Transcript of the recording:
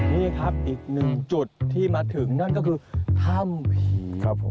นี่ครับอีกหนึ่งจุดที่มาถึงนั่นก็คือถ้ำผีครับผม